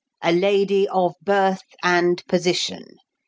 A lady of birth and position!